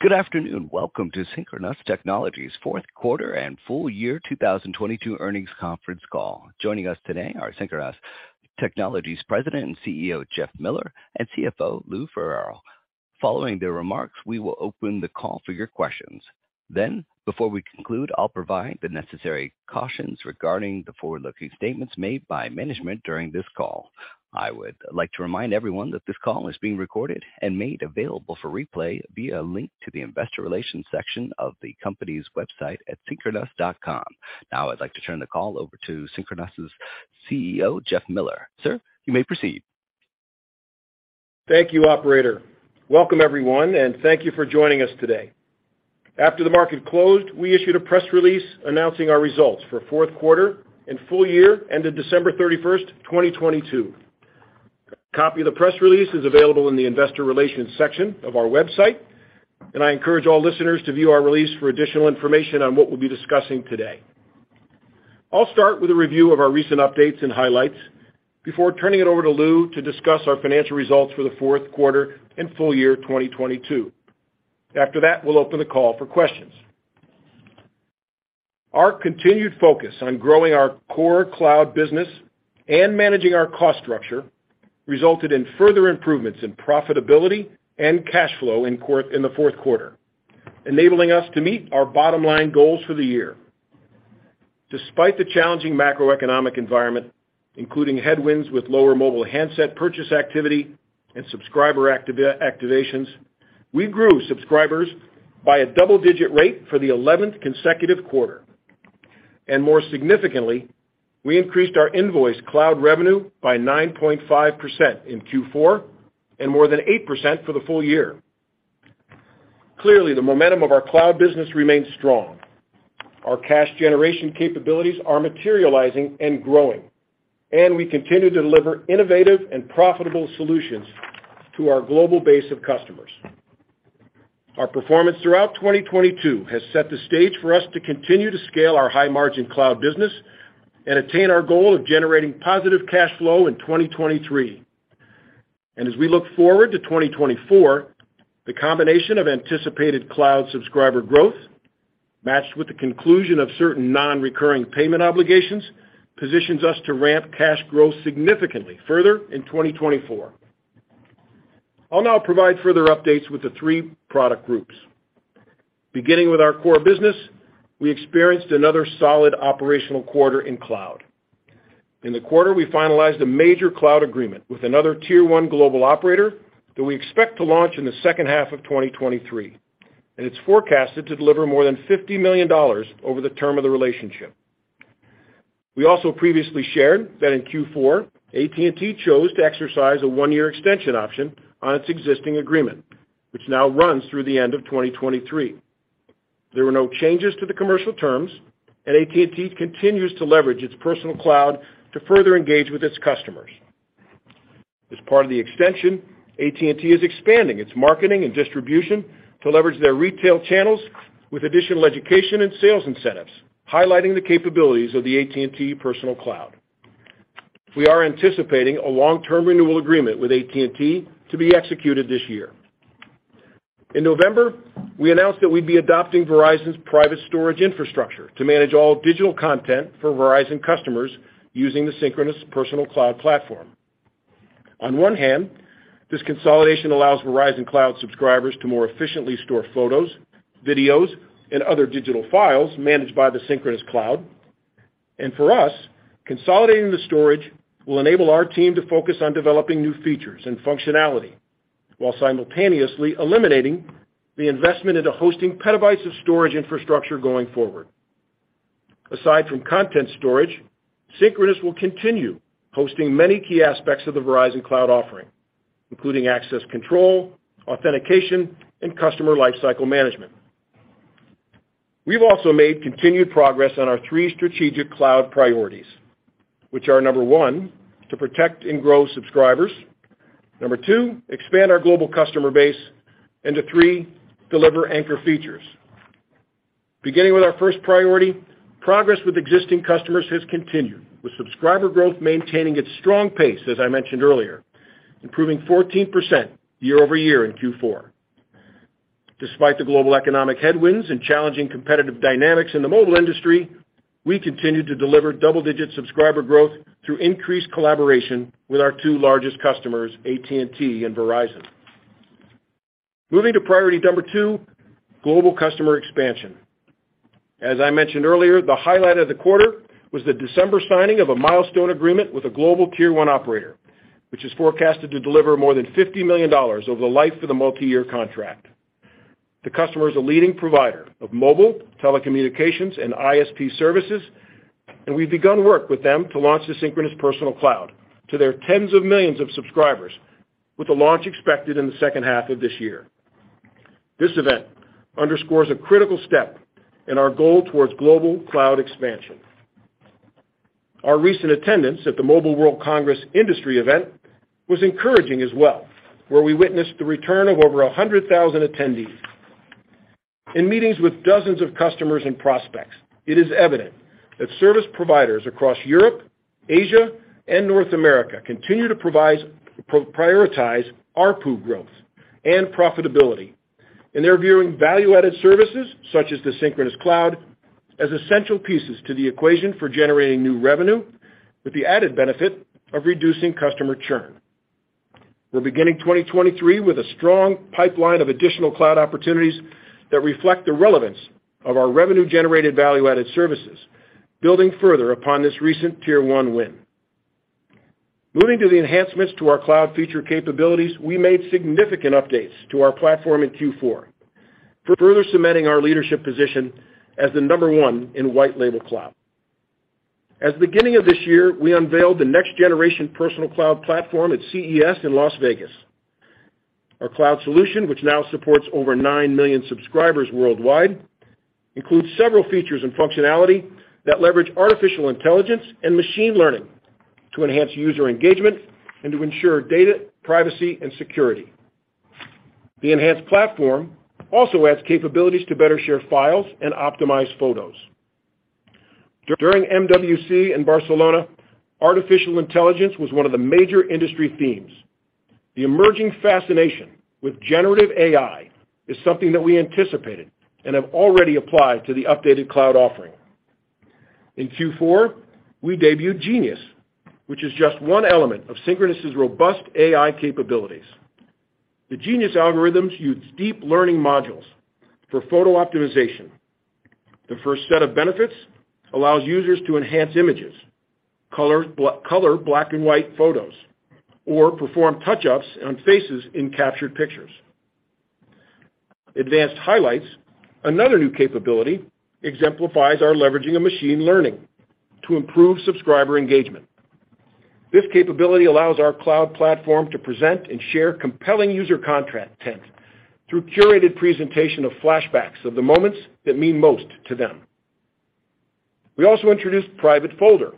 Good afternoon. Welcome to Synchronoss Technologies Fourth Quarter and Full Year 2022 Earnings Conference Call. Joining us today are Synchronoss Technologies President and CEO, Jeff Miller, and CFO, Lou Ferraro. Following their remarks, we will open the call for your questions. Before we conclude, I'll provide the necessary cautions regarding the forward-looking statements made by management during this call. I would like to remind everyone that this call is being recorded and made available for replay via a link to the Investor Relations section of the company's website at synchronoss.com. Now I'd like to turn the call over to Synchronoss' CEO, Jeff Miller. Sir, you may proceed. Thank you, operator. Welcome, everyone, thank you for joining us today. After the market closed, we issued a press release announcing our results for fourth quarter and full year ended December 31st, 2022. A copy of the press release is available in the Investor Relations section of our website, I encourage all listeners to view our release for additional information on what we'll be discussing today. I'll start with a review of our recent updates and highlights before turning it over to Lou to discuss our financial results for the fourth quarter and full year 2022. After that, we'll open the call for questions. Our continued focus on growing our core Cloud business and managing our cost structure resulted in further improvements in profitability and cash flow in the fourth quarter, enabling us to meet our bottom-line goals for the year. Despite the challenging macroeconomic environment, including headwinds with lower mobile handset purchase activity and subscriber activations, we grew subscribers by a double-digit rate for the 11th consecutive quarter. More significantly, we increased our invoiced Cloud revenue by 9.5% in Q4 and more than 8% for the full year. Clearly, the momentum of our Cloud business remains strong. Our cash generation capabilities are materializing and growing. We continue to deliver innovative and profitable solutions to our global base of customers. Our performance throughout 2022 has set the stage for us to continue to scale our high-margin Cloud business and attain our goal of generating positive cash flow in 2023. As we look forward to 2024, the combination of anticipated Cloud subscriber growth matched with the conclusion of certain non-recurring payment obligations positions us to ramp cash growth significantly further in 2024. I'll now provide further updates with the three product groups. Beginning with our Core business, we experienced another solid operational quarter in Cloud. In the quarter, we finalized a major Cloud agreement with another tier one global operator that we expect to launch in the second half of 2023, and it's forecasted to deliver more than $50 million over the term of the relationship. We also previously shared that in Q4, AT&T chose to exercise a one-year extension option on its existing agreement, which now runs through the end of 2023. There were no changes to the commercial terms. AT&T continues to leverage its Personal Cloud to further engage with its customers. As part of the extension, AT&T is expanding its marketing and distribution to leverage their retail channels with additional education and sales incentives, highlighting the capabilities of the AT&T Personal Cloud. We are anticipating a long-term renewal agreement with AT&T to be executed this year. In November, we announced that we'd be adopting Verizon's private storage infrastructure to manage all digital content for Verizon customers using the Synchronoss Personal Cloud platform. On one hand, this consolidation allows Verizon Cloud subscribers to more efficiently store photos, videos, and other digital files managed by the Synchronoss Cloud. For us, consolidating the storage will enable our team to focus on developing new features and functionality while simultaneously eliminating the investment into hosting petabytes of storage infrastructure going forward. Aside from content storage, Synchronoss will continue hosting many key aspects of the Verizon Cloud offering, including access control, authentication, and customer lifecycle management. We've also made continued progress on our three strategic cloud priorities, which are, number one, to protect and grow subscribers; number two, expand our global customer base; and to three, deliver anchor features. Beginning with our first priority, progress with existing customers has continued, with subscriber growth maintaining its strong pace, as I mentioned earlier, improving 14% year-over-year in Q4. Despite the global economic headwinds and challenging competitive dynamics in the mobile industry, we continue to deliver double-digit subscriber growth through increased collaboration with our two largest customers, AT&T and Verizon. Moving to priority number two, global customer expansion. As I mentioned earlier, the highlight of the quarter was the December signing of a milestone agreement with a global tier one operator, which is forecasted to deliver more than $50 million over the life of the multi-year contract. We've begun work with them to launch the Synchronoss Personal Cloud to their tens of millions of subscribers, with the launch expected in the second half of this year. This event underscores a critical step in our goal towards global cloud expansion. Our recent attendance at the Mobile World Congress industry event was encouraging as well, where we witnessed the return of over 100,000 attendees. In meetings with dozens of customers and prospects, it is evident that service providers across Europe, Asia, and North America continue to prioritize ARPU growth and profitability. They're viewing value-added services, such as the Synchronoss Cloud, as essential pieces to the equation for generating new revenue, with the added benefit of reducing customer churn. We're beginning 2023 with a strong pipeline of additional cloud opportunities that reflect the relevance of our revenue-generated value-added services, building further upon this recent tier one win. Moving to the enhancements to our cloud feature capabilities, we made significant updates to our platform in Q4, further cementing our leadership position as the number one in white label cloud. At the beginning of this year, we unveiled the next generation Personal Cloud platform at CES in Las Vegas. Our cloud solution, which now supports over nine million subscribers worldwide, includes several features and functionality that leverage artificial intelligence and machine learning to enhance user engagement and to ensure data privacy and security. The enhanced platform also adds capabilities to better share files and optimize photos. During MWC in Barcelona, artificial intelligence was one of the major industry themes. The emerging fascination with generative AI is something that we anticipated and have already applied to the updated cloud offering. In Q4, we debuted Genius, which is just one element of Synchronoss' robust AI capabilities. The Genius algorithms use deep learning modules for photo optimization. The first set of benefits allows users to enhance images, color black and white photos, or perform touch-ups on faces in captured pictures. Advanced Highlights, another new capability, exemplifies our leveraging of machine learning to improve subscriber engagement. This capability allows our cloud platform to present and share compelling user content through curated presentation of flashbacks of the moments that mean most to them. We also introduced Private Folder.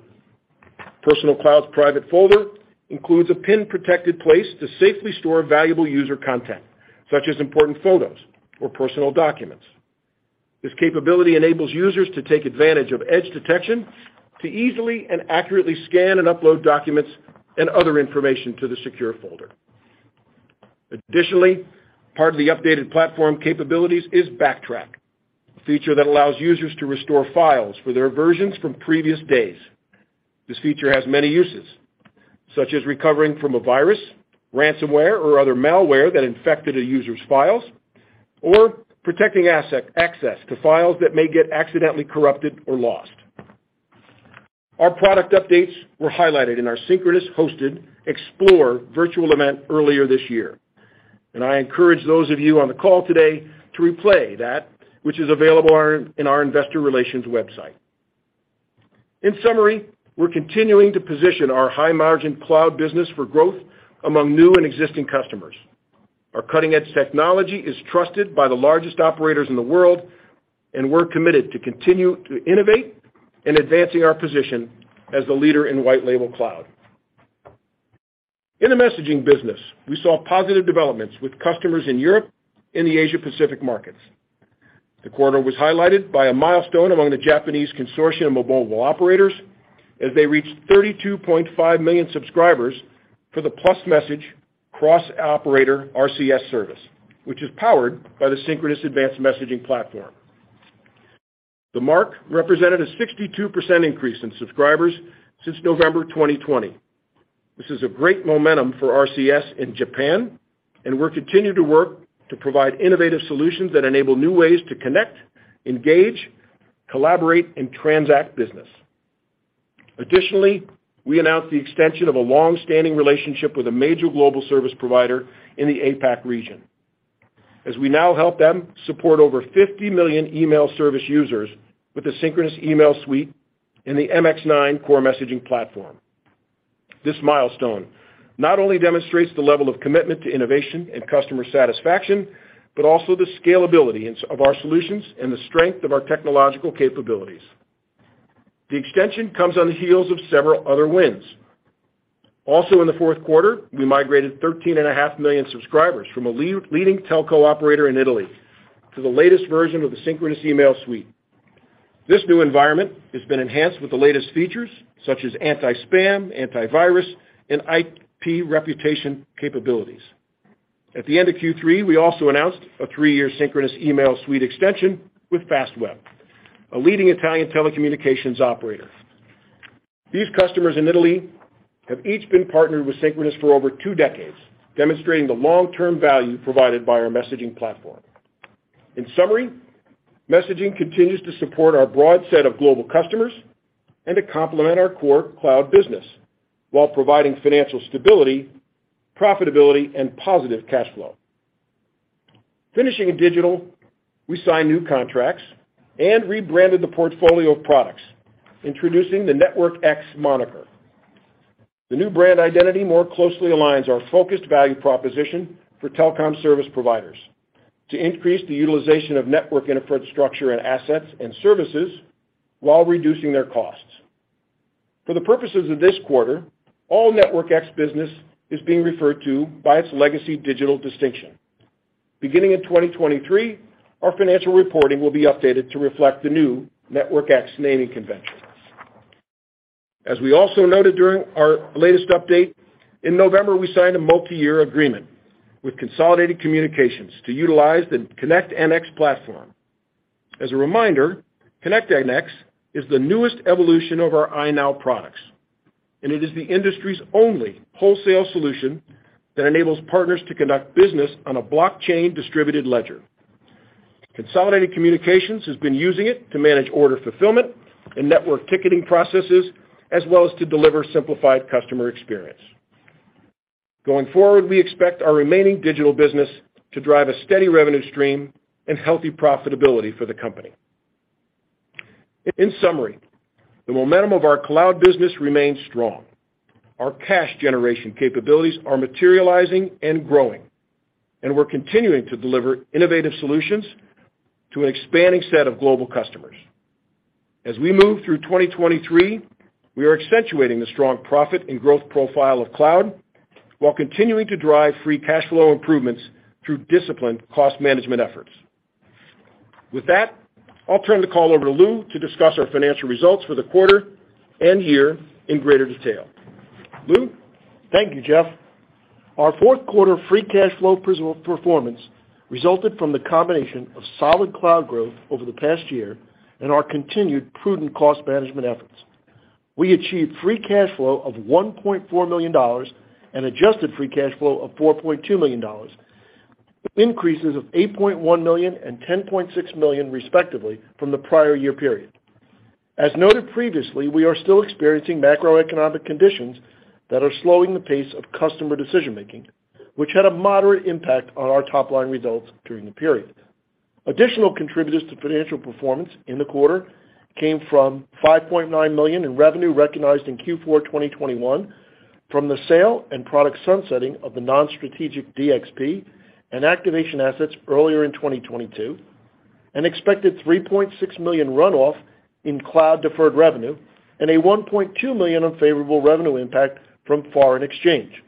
Personal Cloud's Private Folder includes a pin-protected place to safely store valuable user content, such as important photos or personal documents. This capability enables users to take advantage of edge detection to easily and accurately scan and upload documents and other information to the secure folder. Additionally, part of the updated platform capabilities is BackTrack, a feature that allows users to restore files for their versions from previous days. This feature has many uses, such as recovering from a virus, ransomware, or other malware that infected a user's files, or protecting access to files that may get accidentally corrupted or lost. Our product updates were highlighted in our Synchronoss-hosted Explore virtual event earlier this year. I encourage those of you on the call today to replay that, which is available in our investor relations website. In summary, we're continuing to position our high-margin Cloud business for growth among new and existing customers. Our cutting-edge technology is trusted by the largest operators in the world. We're committed to continue to innovate in advancing our position as the leader in white label cloud. In the Messaging business, we saw positive developments with customers in Europe and the Asia Pacific markets. The quarter was highlighted by a milestone among the Japanese consortium of mobile operators as they reached 32.5 million subscribers for the +Message cross-operator RCS service, which is powered by the Synchronoss Advanced Messaging platform. The mark represented a 62% increase in subscribers since November 2020. This is a great momentum for RCS in Japan, and we're continuing to work to provide innovative solutions that enable new ways to connect, engage, collaborate, and transact business. Additionally, we announced the extension of a long-standing relationship with a major global service provider in the APAC region, as we now help them support over 50 million email service users with the Synchronoss Email Suite and the Mx9 core messaging platform. This milestone not only demonstrates the level of commitment to innovation and customer satisfaction, but also the scalability of our solutions and the strength of our technological capabilities. The extension comes on the heels of several other wins. In the fourth quarter, we migrated 13.5 million subscribers from a leading telco operator in Italy to the latest version of the Synchronoss Email Suite. This new environment has been enhanced with the latest features, such as anti-spam, antivirus, and IP reputation capabilities. At the end of Q3, we also announced a three-year Synchronoss Email Suite extension with Fastweb, a leading Italian telecommunications operator. These customers in Italy have each been partnered with Synchronoss for over two decades, demonstrating the long-term value provided by our messaging platform. In summary, messaging continues to support our broad set of global customers and to complement our Core Cloud business while providing financial stability, profitability, and positive cash flow. Finishing in digital, we signed new contracts and rebranded the portfolio of products, introducing the NetworkX moniker. The new brand identity more closely aligns our focused value proposition for telecom service providers to increase the utilization of network infrastructure and assets and services while reducing their costs. For the purposes of this quarter, all NetworkX business is being referred to by its legacy digital distinction. Beginning in 2023, our financial reporting will be updated to reflect the new NetworkX naming convention. As we also noted during our latest update, in November, we signed a multi-year agreement with Consolidated Communications to utilize the ConnectNX platform. As a reminder, ConnectNX is the newest evolution of our iNOW products, and it is the industry's only wholesale solution that enables partners to conduct business on a blockchain distributed ledger. Consolidated Communications has been using it to manage order fulfillment and network ticketing processes, as well as to deliver simplified customer experience. Going forward, we expect our remaining digital business to drive a steady revenue stream and healthy profitability for the company. In summary, the momentum of our Cloud business remains strong. We're continuing to deliver innovative solutions to an expanding set of global customers. As we move through 2023, we are accentuating the strong profit and growth profile of Cloud, while continuing to drive free cash flow improvements through disciplined cost management efforts. With that, I'll turn the call over to Lou to discuss our financial results for the quarter and year in greater detail. Lou? Thank you, Jeff. Our fourth quarter free cash flow prism performance resulted from the combination of solid Cloud growth over the past year and our continued prudent cost management efforts. We achieved free cash flow of $1.4 million and adjusted free cash flow of $4.2 million, increases of $8.1 million and $10.6 million, respectively, from the prior year period. As noted previously, we are still experiencing macroeconomic conditions that are slowing the pace of customer decision-making, which had a moderate impact on our top-line results during the period. Additional contributors to financial performance in the quarter came from $5.9 million in revenue recognized in Q4 2021 from the sale and product sunsetting of the non-strategic DXP and Activation assets earlier in 2022, an expected $3.6 million runoff in cloud deferred revenue, and a $1.2 million unfavorable revenue impact from foreign exchange.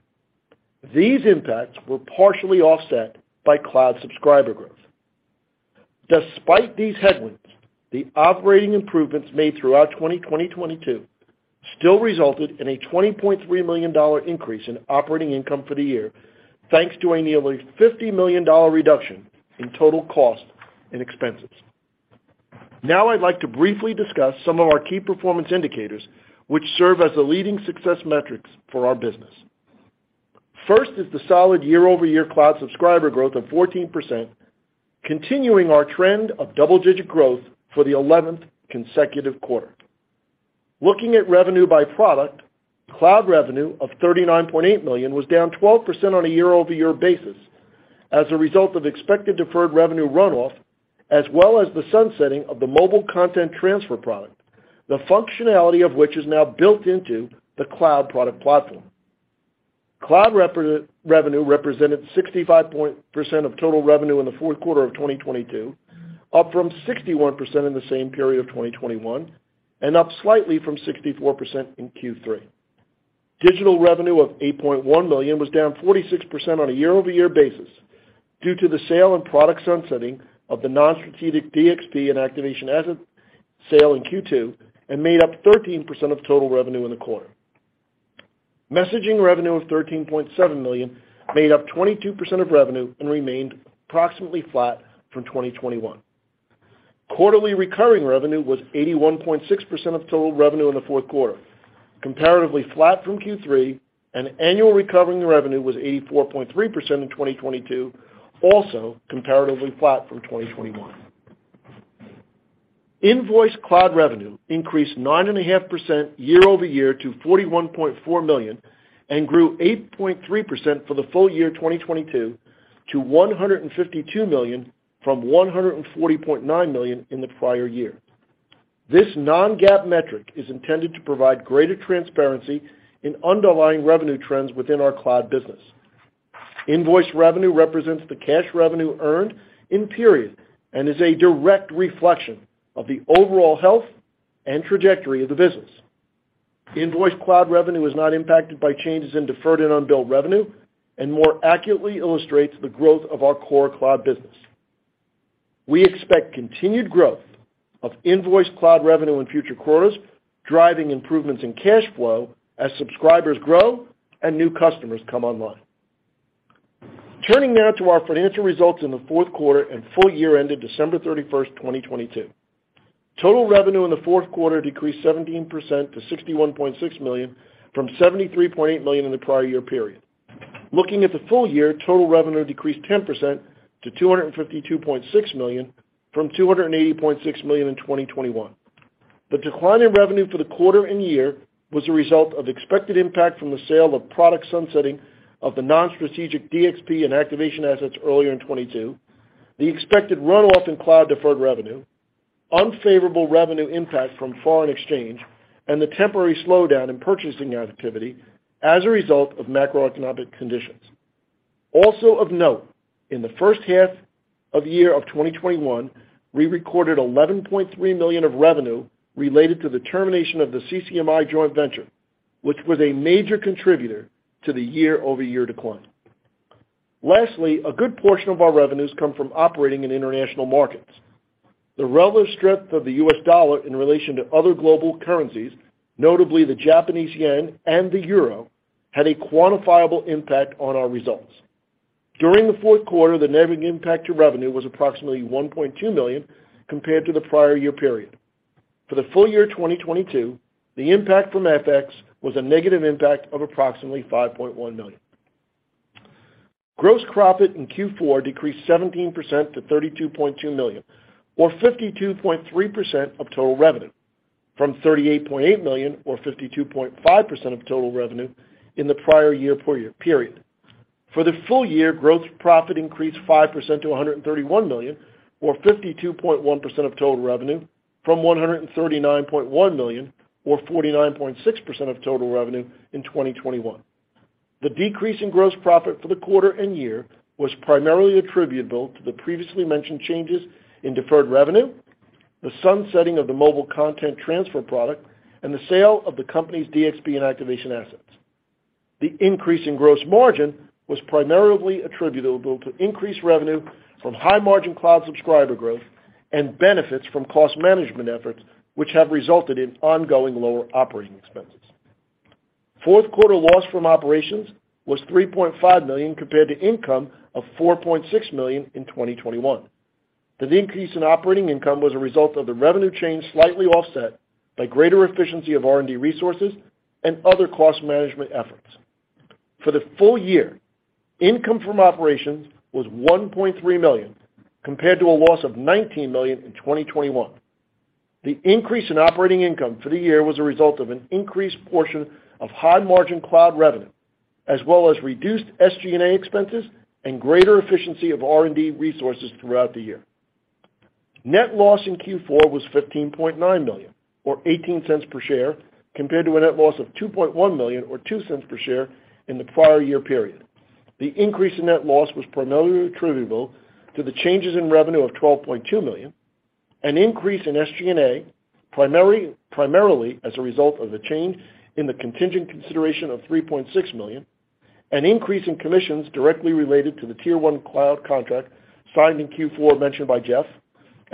These impacts were partially offset by Cloud subscriber growth. Despite these headwinds, the operating improvements made throughout 2022 still resulted in a $20.3 million increase in operating income for the year, thanks to a nearly $50 million reduction in total cost and expenses. I'd like to briefly discuss some of our key performance indicators which serve as the leading success metrics for our business. First is the solid year-over-year Cloud subscriber growth of 14%, continuing our trend of double-digit growth for the eleventh consecutive quarter. Looking at revenue by product, Cloud revenue of $39.8 million was down 12% on a year-over-year basis as a result of expected deferred revenue runoff as well as the sunsetting of the Mobile Content Transfer product, the functionality of which is now built into the Cloud product platform. Cloud revenue represented 65% of total revenue in the fourth quarter of 2022, up from 61% in the same period of 2021 and up slightly from 64% in Q3. Digital revenue of $8.1 million was down 46% on a year-over-year basis due to the sale and product sunsetting of the non-strategic DXP and Activation asset sale in Q2 and made up 13% of total revenue in the quarter. Messaging revenue of $13.7 million made up 22% of revenue and remained approximately flat from 2021. Quarterly recurring revenue was 81.6% of total revenue in the fourth quarter, comparatively flat from Q3, and annual recurring revenue was 84.3% in 2022, also comparatively flat from 2021. Invoiced Cloud revenue increased 9.5% year-over-year to $41.4 million and grew 8.3% for the full year 2022 to $152 million from $140.9 million in the prior year. This non-GAAP metric is intended to provide greater transparency in underlying revenue trends within our Cloud business. Invoiced revenue represents the cash revenue earned in period and is a direct reflection of the overall health and trajectory of the business. Invoiced Cloud revenue is not impacted by changes in deferred and unbilled revenue and more accurately illustrates the growth of our Core Cloud business. We expect continued growth of invoiced Cloud revenue in future quarters, driving improvements in cash flow as subscribers grow and new customers come online. Turning now to our financial results in the fourth quarter and full year ended December 31st, 2022. Total revenue in the fourth quarter decreased 17% to $61.6 million from $73.8 million in the prior year period. Looking at the full year, total revenue decreased 10% to $252.6 million from $280.6 million in 2021. The decline in revenue for the quarter and year was a result of expected impact from the sale of product sunsetting of the non-strategic DXP and Activation assets earlier in 2022, the expected runoff in cloud deferred revenue, unfavorable revenue impact from foreign exchange, and the temporary slowdown in purchasing activity as a result of macroeconomic conditions. Also of note, in the first half of 2021, we recorded $11.3 million of revenue related to the termination of the CCMI joint venture, which was a major contributor to the year-over-year decline. Lastly, a good portion of our revenues come from operating in international markets. The relative strength of the US dollar in relation to other global currencies, notably the Japanese yen and the euro, had a quantifiable impact on our results. During the fourth quarter, the net impact to revenue was approximately $1.2 million compared to the prior year period. For the full year 2022, the impact from FX was a negative impact of approximately $5.1 million. Gross profit in Q4 decreased 17% to $32.2 million, or 52.3% of total revenue, from $38.8 million or 52.5% of total revenue in the prior year period. For the full year, gross profit increased 5% to $131 million, or 52.1% of total revenue, from $139.1 million, or 49.6% of total revenue in 2021. The decrease in gross profit for the quarter and year was primarily attributable to the previously mentioned changes in deferred revenue, the sunsetting of the Mobile Content Transfer product, and the sale of the company's DXP and Activation assets. The increase in gross margin was primarily attributable to increased revenue from high-margin cloud subscriber growth and benefits from cost management efforts, which have resulted in ongoing lower operating expenses. Fourth quarter loss from operations was $3.5 million compared to income of $4.6 million in 2021. The increase in operating income was a result of the revenue change slightly offset by greater efficiency of R&D resources and other cost management efforts. For the full year, income from operations was $1.3 million compared to a loss of $19 million in 2021. The increase in operating income for the year was a result of an increased portion of high-margin cloud revenue, as well as reduced SG&A expenses and greater efficiency of R&D resources throughout the year. Net loss in Q4 was $15.9 million, or $0.18 per share, compared to a net loss of $2.1 million or $0.02 per share in the prior year period. The increase in net loss was primarily attributable to the changes in revenue of $12.2 million, an increase in SG&A primarily as a result of the change in the contingent consideration of $3.6 million, an increase in commissions directly related to the Tier 1 Cloud contract signed in Q4 mentioned by Jeff,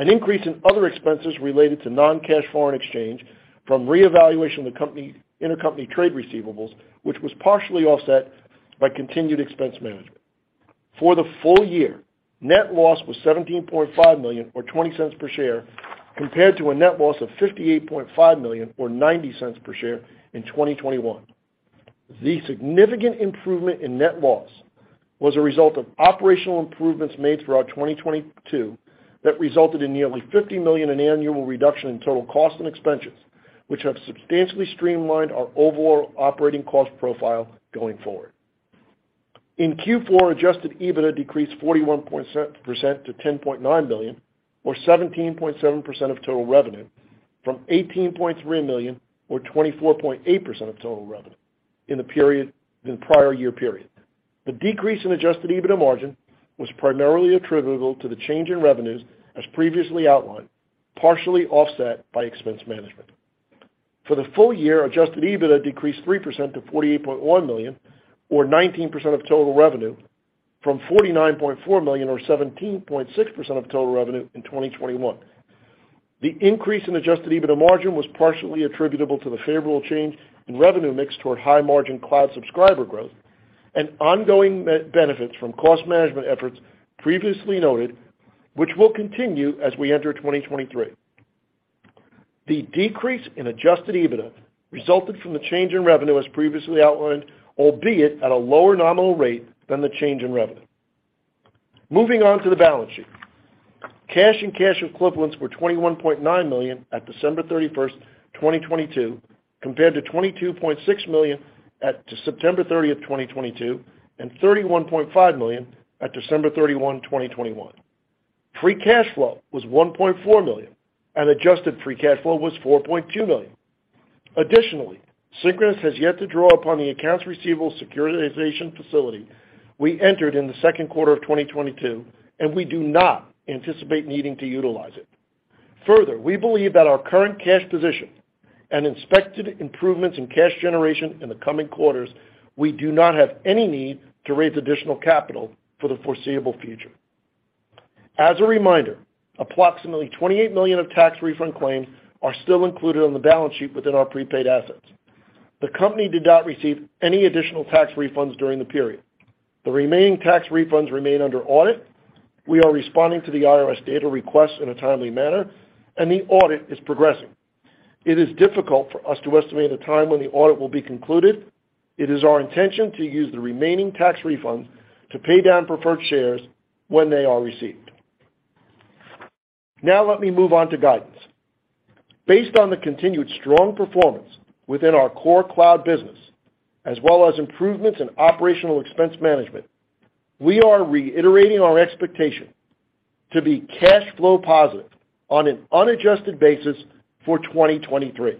an increase in other expenses related to non-cash foreign exchange from reevaluation of the company intercompany trade receivables, which was partially offset by continued expense management. For the full year, net loss was $17.5 million or $0.20 per share, compared to a net loss of $58.5 million or $0.90 per share in 2021. The significant improvement in net loss was a result of operational improvements made throughout 2022 that resulted in nearly $50 million in annual reduction in total costs and expenses, which have substantially streamlined our overall operating cost profile going forward. In Q4, adjusted EBITDA decreased 41.1% to $10.9 million, or 17.7% of total revenue, from $18.3 million or 24.8% of total revenue in the prior year period. The decrease in adjusted EBITDA margin was primarily attributable to the change in revenues as previously outlined, partially offset by expense management. For the full year, adjusted EBITDA decreased 3% to $48.1 million, or 19% of total revenue, from $49.4 million or 17.6% of total revenue in 2021. The increase in adjusted EBITDA margin was partially attributable to the favorable change in revenue mix toward high-margin Cloud subscriber growth and ongoing m-benefits from cost management efforts previously noted, which will continue as we enter 2023. The decrease in adjusted EBITDA resulted from the change in revenue as previously outlined, albeit at a lower nominal rate than the change in revenue. Moving on to the balance sheet. Cash and cash equivalents were $21.9 million at December 31, 2022, compared to $22.6 million at September 30, 2022, and $31.5 million at December 31, 2021. Free cash flow was $1.4 million, and adjusted free cash flow was $4.2 million. Additionally, Synchronoss has yet to draw upon the accounts receivable securitization facility we entered in the second quarter of 2022, and we do not anticipate needing to utilize it. Further, we believe that our current cash position and expected improvements in cash generation in the coming quarters, we do not have any need to raise additional capital for the foreseeable future. As a reminder, approximately $28 million of tax refund claims are still included on the balance sheet within our prepaid assets. The company did not receive any additional tax refunds during the period. The remaining tax refunds remain under audit. We are responding to the IRS data requests in a timely manner, and the audit is progressing. It is difficult for us to estimate a time when the audit will be concluded. It is our intention to use the remaining tax refunds to pay down preferred shares when they are received. Let me move on to guidance. Based on the continued strong performance within our Core Cloud business, as well as improvements in operational expense management, we are reiterating our expectation to be cash flow positive on an unadjusted basis for 2023.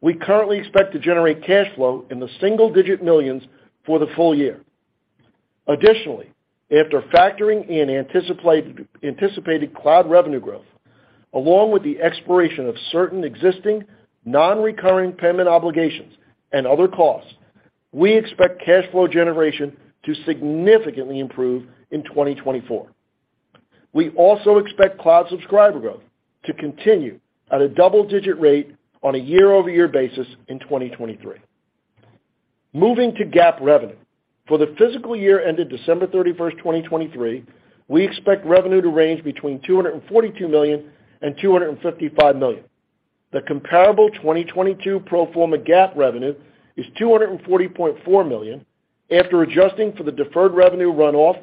We currently expect to generate cash flow in the $ single-digit millions for the full year. Additionally, after factoring in anticipated Cloud revenue growth, along with the expiration of certain existing non-recurring payment obligations and other costs, we expect cash flow generation to significantly improve in 2024. We also expect Cloud subscriber growth to continue at a double-digit rate on a year-over-year basis in 2023. Moving to GAAP revenue. For the physical year ended December 31st, 2023, we expect revenue to range between $242 million and $255 million. The comparable 2022 pro forma GAAP revenue is $240.4 million after adjusting for the deferred revenue runoff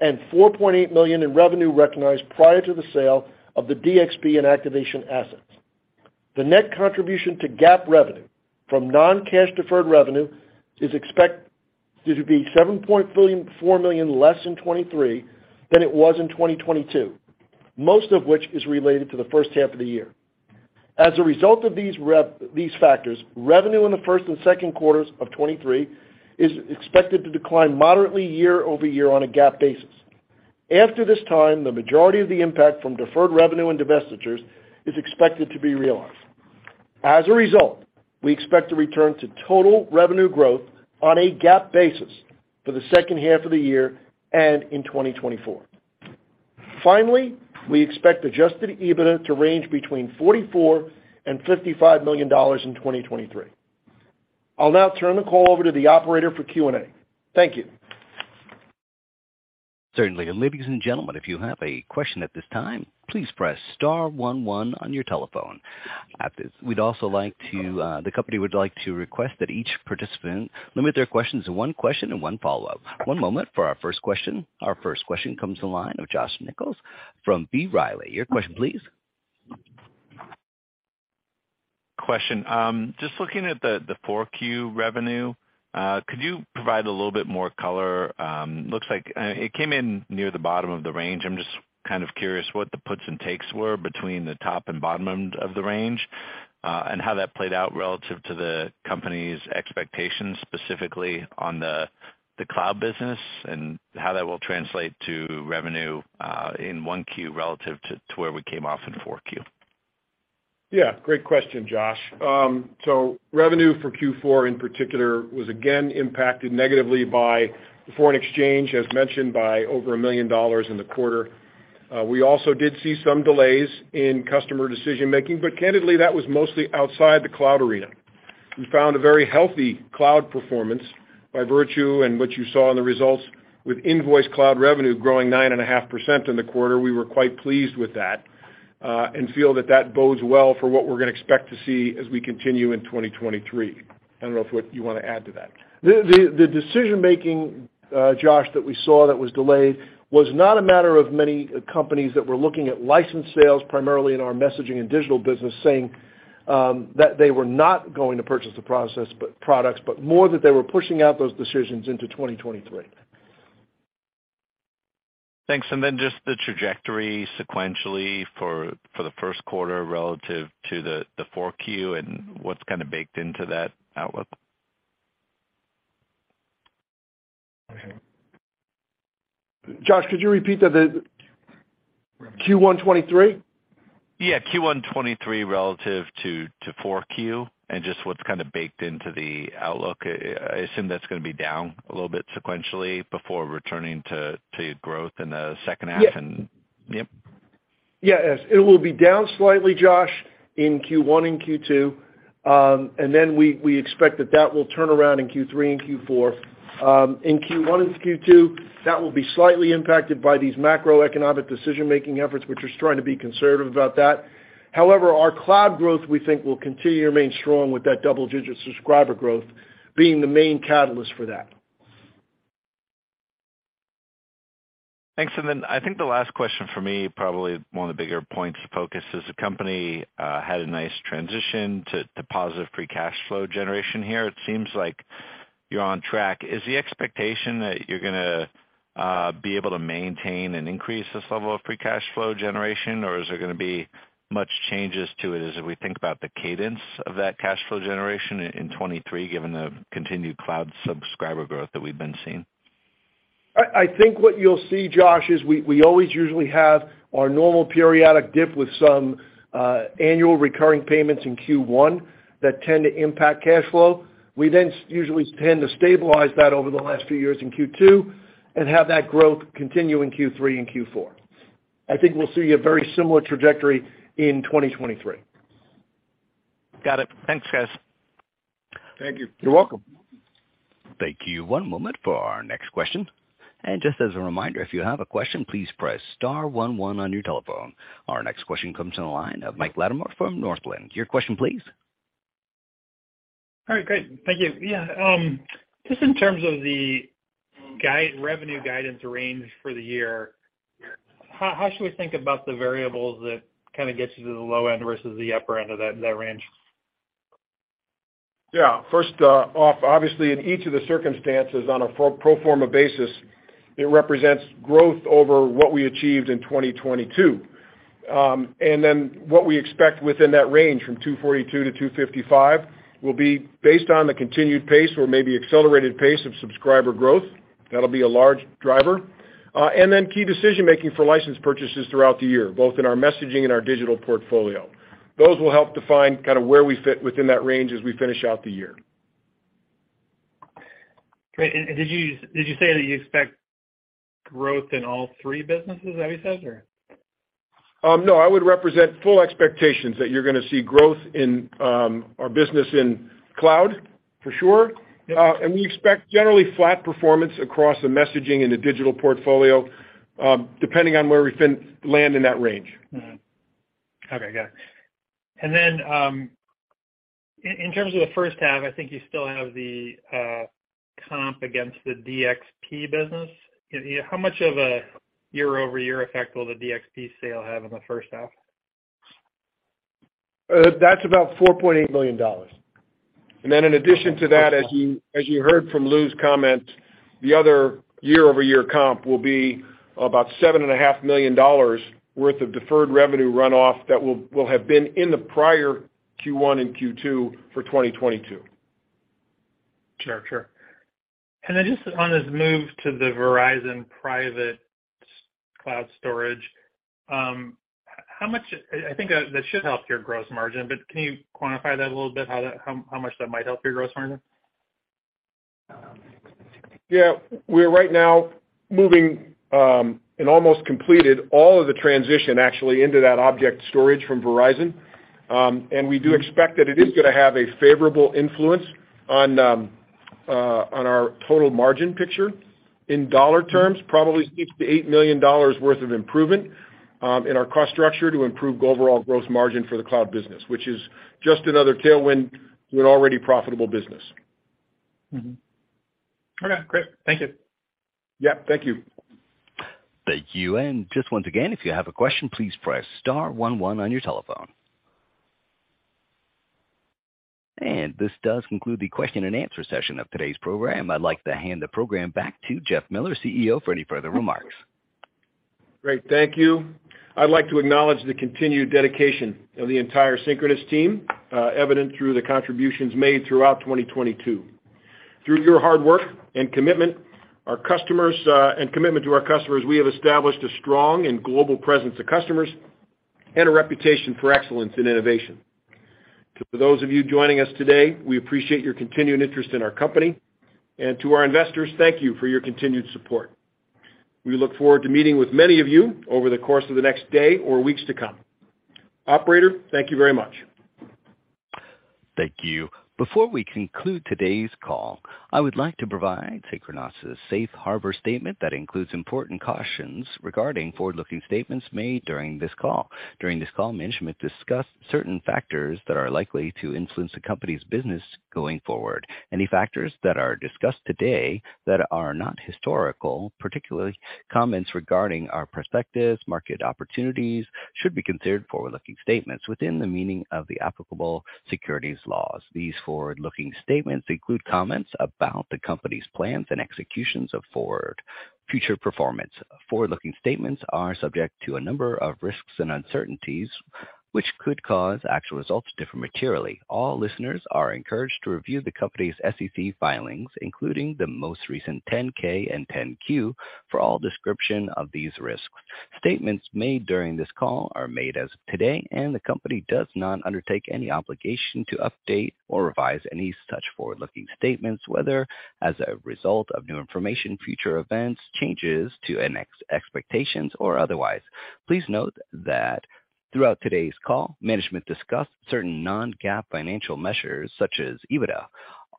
and $4.8 million in revenue recognized prior to the sale of the DXP and Activation assets. The net contribution to GAAP revenue from non-cash deferred revenue is expected to be $4 million less in 2023 than it was in 2022, most of which is related to the first half of the year. As a result of these factors, revenue in the first and second quarters of 2023 is expected to decline moderately year-over-year on a GAAP basis. After this time, the majority of the impact from deferred revenue and divestitures is expected to be realized. As a result, we expect to return to total revenue growth on a GAAP basis for the second half of the year and in 2024. Finally, we expect adjusted EBITDA to range between $44 million and $55 million in 2023. I'll now turn the call over to the operator for Q&A. Thank you. Certainly. Ladies and gentlemen, if you have a question at this time, please press star one one on your telephone. we'd also like to, the company would like to request that each participant limit their questions to one question and one follow-up. One moment for our first question. Our first question comes to the line of Josh Nichols from B. Riley. Your question please. Question. Just looking at the 4Q revenue, could you provide a little bit more color? Looks like it came in near the bottom of the range. I'm just kind of curious what the puts and takes were between the top and bottom end of the range, and how that played out relative to the company's expectations, specifically on the Cloud business and how that will translate to revenue in 1Q relative to where we came off in 4Q. Yeah, great question, Josh. Revenue for Q4 in particular was again impacted negatively by foreign exchange, as mentioned, by over $1 million in the quarter. We also did see some delays in customer decision-making, but candidly, that was mostly outside the cloud arena. We found a very healthy Cloud performance by virtue and what you saw in the results with invoiced Cloud revenue growing 9.5% in the quarter, we were quite pleased with that and feel that that bodes well for what we're gonna expect to see as we continue in 2023. I don't know if what you wanna add to that. The decision-making, Josh, that we saw that was delayed was not a matter of many companies that were looking at license sales, primarily in our Messaging and Digital business, saying that they were not going to purchase products, but more that they were pushing out those decisions into 2023. Thanks. Just the trajectory sequentially for the first quarter relative to the 4Q and what's kinda baked into that outlook. Josh, could you repeat that the... Q1 2023? Q1 2023 relative to 4Q and just what's kinda baked into the outlook. I assume that's gonna be down a little bit sequentially before returning to growth in the second half. Yeah. Yep. It will be down slightly, Josh, in Q1 and Q2. We expect that that will turn around in Q3 and Q4. In Q1 and Q2, that will be slightly impacted by these macroeconomic decision-making efforts, which we're trying to be conservative about that. However, our cloud growth, we think, will continue to remain strong with that double-digit subscriber growth being the main catalyst for that. Thanks. I think the last question for me, probably one of the bigger points of focus is the company had a nice transition to positive free cash flow generation here. It seems like you're on track. Is the expectation that you're gonna be able to maintain and increase this level of free cash flow generation, or is there gonna be much changes to it as we think about the cadence of that cash flow generation in 2023, given the continued cloud subscriber growth that we've been seeing? I think what you'll see, Josh, is we always usually have our normal periodic dip with some annual recurring payments in Q1 that tend to impact cash flow. We then usually tend to stabilize that over the last few years in Q2 and have that growth continue in Q3 and Q4. I think we'll see a very similar trajectory in 2023. Got it. Thanks, guys. Thank you. You're welcome. Thank you. One moment for our next question. Just as a reminder, if you have a question, please press star one one on your telephone. Our next question comes in the line of Mike Latimore from Northland. Your question please. All right, great. Thank you. Yeah, just in terms of revenue guidance range for the year, how should we think about the variables that kinda gets you to the low end versus the upper end of that range? Yeah. First, off, obviously in each of the circumstances on a pro forma basis, it represents growth over what we achieved in 2022. What we expect within that range from $242 million to $255 million will be based on the continued pace or maybe accelerated pace of subscriber growth. That'll be a large driver. Key decision-making for license purchases throughout the year, both in our messaging and our digital portfolio. Those will help define kind of where we fit within that range as we finish out the year. Great. Did you say that you expect growth in all three businesses? Is that what you said, or? No, I would represent full expectations that you're gonna see growth in our business in Cloud, for sure. Yep. We expect generally flat performance across the messaging and the digital portfolio, depending on where we land in that range. Okay, got it. In terms of the first half, I think you still have the comp against the DXP business. How much of a year-over-year effect will the DXP sale have on the first half? That's about $4.8 million. In addition to that, as you, as you heard from Lou's comment, the other year-over-year comp will be about $7.5 million worth of deferred revenue runoff that will have been in the prior Q1 and Q2 for 2022. Sure, sure. Just on this move to the Verizon Private Cloud Storage, I think that should help your gross margin, but can you quantify that a little bit, how much that might help your gross margin? Yeah. We're right now moving, and almost completed all of the transition actually into that object storage from Verizon. We do expect that it is gonna have a favorable influence on our total margin picture. In dollar terms, probably $6 million-$8 million worth of improvement, in our cost structure to improve overall gross margin for the Cloud business, which is just another tailwind to an already profitable business. Mm-hmm. Okay, great. Thank you. Yeah, thank you. Thank you. Just once again, if you have a question, please press star one one on your telephone. This does conclude the question and answer session of today's program. I'd like to hand the program back to Jeff Miller, CEO, for any further remarks. Great. Thank you. I'd like to acknowledge the continued dedication of the entire Synchronoss team, evident through the contributions made throughout 2022. Through your hard work and commitment, our customers, and commitment to our customers, we have established a strong and global presence to customers and a reputation for excellence in innovation. To those of you joining us today, we appreciate your continuing interest in our company. To our investors, thank you for your continued support. We look forward to meeting with many of you over the course of the next day or weeks to come. Operator, thank you very much. Thank you. Before we conclude today's call, I would like to provide Synchronoss' safe harbor statement that includes important cautions regarding forward-looking statements made during this call. During this call, management discussed certain factors that are likely to influence the company's business going forward. Any factors that are discussed today that are not historical, particularly comments regarding our perspectives, market opportunities, should be considered forward-looking statements within the meaning of the applicable securities laws. These forward-looking statements include comments about the company's plans and executions of forward future performance. Forward-looking statements are subject to a number of risks and uncertainties, which could cause actual results to differ materially. All listeners are encouraged to review the company's SEC filings, including the most recent 10-K and 10-Q, for all description of these risks. Statements made during this call are made as of today, and the company does not undertake any obligation to update or revise any such forward-looking statements, whether as a result of new information, future events, changes to analyst expectations or otherwise. Please note that throughout today's call, management discussed certain non-GAAP financial measures such as EBITDA.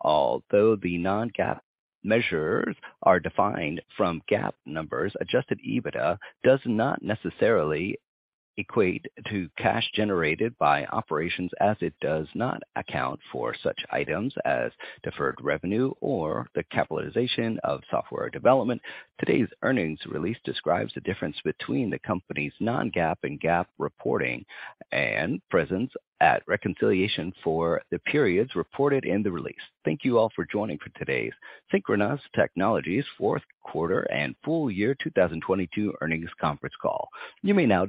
Although the non-GAAP measures are defined from GAAP numbers, adjusted EBITDA does not necessarily equate to cash generated by operations as it does not account for such items as deferred revenue or the capitalization of software development. Today's earnings release describes the difference between the company's non-GAAP and GAAP reporting and presents a reconciliation for the periods reported in the release. Thank you all for joining for today's Synchronoss Technologies fourth quarter and full year 2022 earnings conference call. You may no